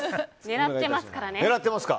狙っていますからね。